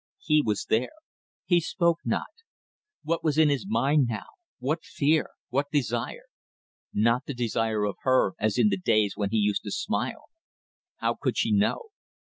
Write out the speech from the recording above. He was there. He spoke not. What was in his mind now? What fear? What desire? Not the desire of her as in the days when he used to smile ... How could she know?